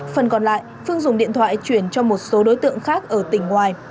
phần còn lại phương dùng điện thoại chuyển cho một số đối tượng khác ở tỉnh ngoài